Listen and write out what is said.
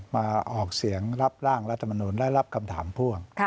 มาออกเสียงรับร่างรัฐมนุนและรับคำถามพ่วง